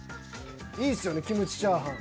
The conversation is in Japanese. いいっすよねキムチチャーハン。